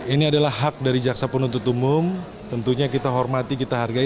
ini adalah hak dari jaksa penuntut umum tentunya kita hormati kita hargai